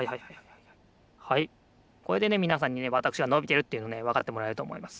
はいこれでねみなさんにねわたくしがのびてるっていうのをねわかってもらえるとおもいます。